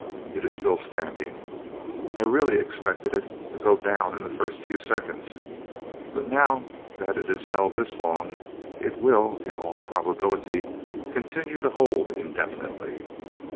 It is still standing. I really expected it to go down in the first few seconds, but now that it has held this long it will, in all probability, continue to hold indefinitely.